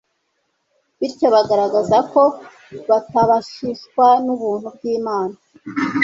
Bityo bagaragaza ko batabashishwa n’ubuntu bw’Imana